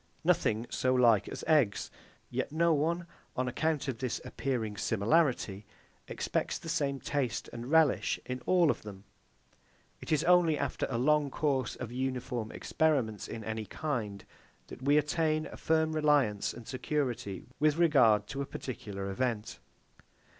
Nothing so like as eggs; yet no one, on account of this appearing similarity, expects the same taste and relish in all of them. It is only after a long course of uniform experiments in any kind, that we attain a firm reliance and security with regard to a particular event.